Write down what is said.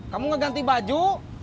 kamu ngeganti baju